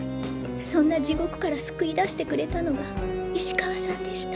そんな地獄から救い出してくれたのが石川さんでした。